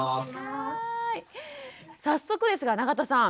早速ですが永田さん。